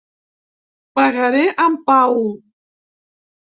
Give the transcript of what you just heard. Pagaré en pau.